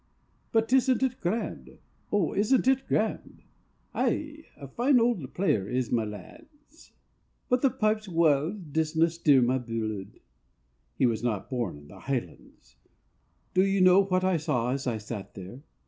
"But isn't it grand? O, isn't it grand?" "Ay, a fine auld player is Mylands, But the pipes' wild sound disna stir my bluid" He was not born in the highlands. Do you know what I saw as I sat there?